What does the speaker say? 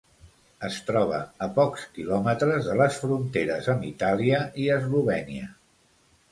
Es troba a pocs kilòmetres de les fronteres amb Itàlia i Eslovènia.